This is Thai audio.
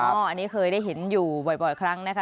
อันนี้เคยได้เห็นอยู่บ่อยครั้งนะคะ